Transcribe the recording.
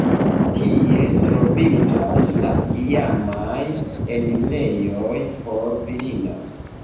Tie troviĝas la iamaj enirejoj por virinoj.